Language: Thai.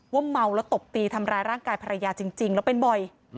เมาแล้วตบตีทำร้ายร่างกายภรรยาจริงแล้วเป็นบ่อย